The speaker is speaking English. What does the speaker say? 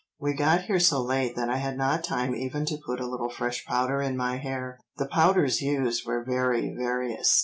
We got here so late that I had not time even to put a little fresh powder in my hair.'" The powders used were very various.